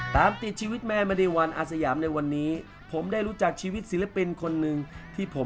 ตามติดชีวิตแม่มณีวันอาสยามในวันนี้ผมได้รู้จักชีวิตศิลปินคนหนึ่งที่ผม